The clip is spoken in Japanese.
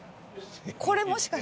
これもしかして。